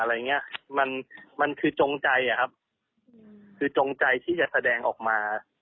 อะไรอย่างเงี้ยมันมันคือจงใจอะครับคือจงใจที่จะแสดงออกมา